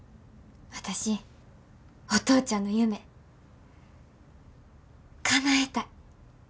私お父ちゃんの夢かなえたい。